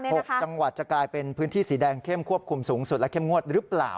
หกจังหวัดจะกลายเป็นพื้นที่สีแดงเข้มควบคุมสูงสุดและเข้มงวดหรือเปล่า